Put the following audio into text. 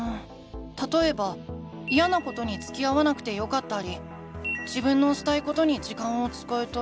たとえばイヤなことにつきあわなくてよかったり自分のしたいことに時間を使えたり。